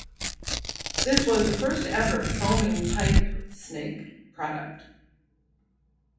This was the first-ever foaming pipe snake product.